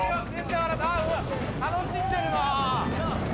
「楽しんでるな！」